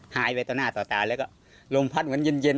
ไปต่อหน้าต่อตาแล้วก็ลมพัดเหมือนเย็น